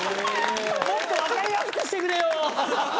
もっと分かりやすくしてくれよ！